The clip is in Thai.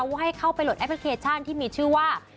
ให้เข้าไปหลดแอปพลิเคชันที่มีชื่อว่า